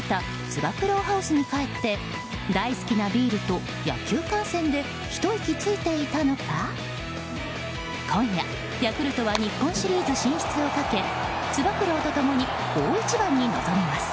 巣に帰って大好きなビールと野球観戦でひと息ついていたのか今夜、ヤクルトは日本シリーズ進出をかけつば九郎と共に大一番に臨みます。